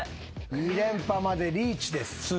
２連覇までリーチです。